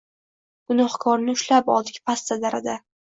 Gunohkorni ushlab oldik pastda, darada